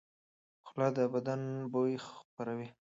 خوله د بدن بوی خپروي.